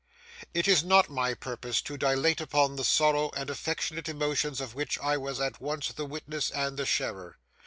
It is not my purpose to dilate upon the sorrow and affectionate emotions of which I was at once the witness and the sharer.